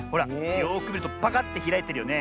よくみるとパカッてひらいてるよね。